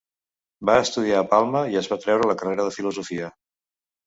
Va estudiar a Palma i es va treure la carrera de filosofia.